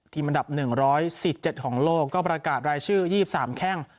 อันดับ๑๔๗ของโลกก็ประกาศรายชื่อ๒๓แข้ง